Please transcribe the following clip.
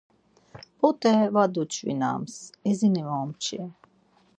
P̆ot̆e va duç̌vinaps, izini momçi.